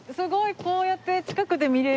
こうやって近くで見れる。